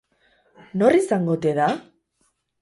Nor izango ote da?